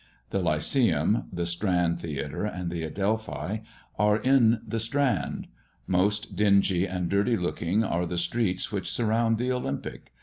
The Lyceum, the Strand theatre, and the Adelphi, are in the Strand. Most dingy and dirty looking are the streets which surround the Olympic.